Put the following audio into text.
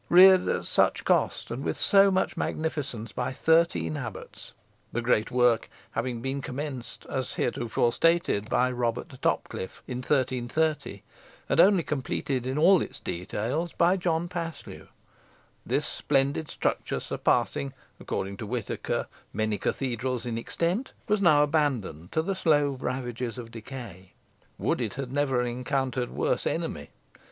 Reared at such cost, and with so much magnificence, by thirteen abbots the great work having been commenced, as heretofore stated, by Robert de Topcliffe, in 1330, and only completed in all its details by John Paslew; this splendid structure, surpassing, according to Whitaker, "many cathedrals in extent," was now abandoned to the slow ravages of decay. Would it had never encountered worse enemy!